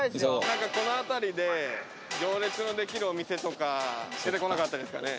何かこのあたりで行列のできるお店とか出てこなかったですかね？